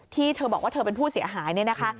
ที่เธอบอกว่าเธอเป็นผู้เสียหายเนี่ยนะคะ